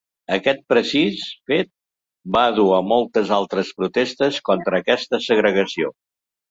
Aquest precís fet va dur a moltes altres protestes contra aquesta segregació.